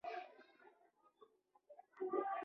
له کرنې څخه صنعت ته بشري ځواک استخدام شو.